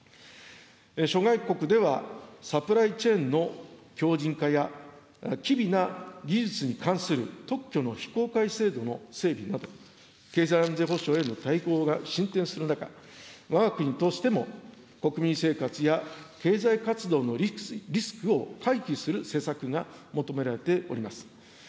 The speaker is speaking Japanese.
諸外国では、サプライチェーンの強じん化や、機微な技術に関する特許の非公開制度の整備など、経済安全保障への大綱が進展する中、わが国としても国民生活や経済活動のリスクを回避する施策が求められております。